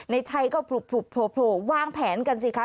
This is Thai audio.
นายชัยก็พลุวางแผนกันสิคะ